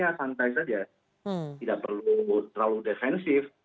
ya santai saja tidak perlu terlalu defensif